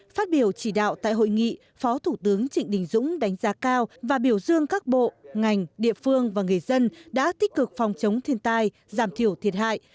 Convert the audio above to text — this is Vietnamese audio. phát biểu chỉ đạo tại hội nghị phó thủ tướng trịnh đình dũng đánh giá cao và biểu dương các bộ ngành địa phương và người dân đã tích cực phòng chống thiên tai giảm thiểu thiệt hại